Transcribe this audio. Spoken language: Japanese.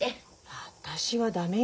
私は駄目よ。